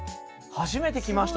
初めて来ました